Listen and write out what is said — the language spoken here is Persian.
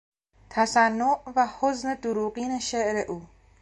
تصنع و حزن دروغین شعر او